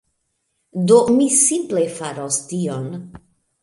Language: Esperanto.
Do, mi simple faros tion.